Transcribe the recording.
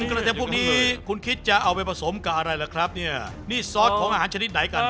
กระเทียมพวกนี้คุณคิดจะเอาไปผสมกับอะไรล่ะครับเนี่ยนี่ซอสของอาหารชนิดไหนกัน